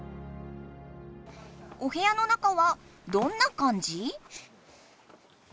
おへやの中はどんな感じ？